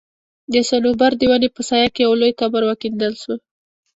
د صنوبر د وني په سايه کي يو لوى قبر وکيندل سو